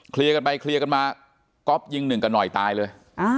กันไปเคลียร์กันมาก๊อฟยิงหนึ่งกันหน่อยตายเลย